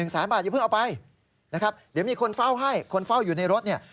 แสนบาทอย่าเพิ่งเอาไปนะครับเดี๋ยวมีคนเฝ้าให้คนเฝ้าอยู่ในรถเนี่ย